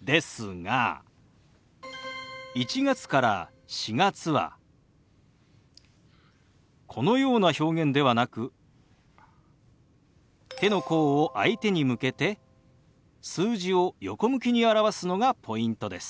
ですが１月から４月はこのような表現ではなく手の甲を相手に向けて数字を横向きに表すのがポイントです。